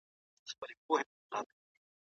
دعوه ګیر وي ور سره ډېري پیسې وي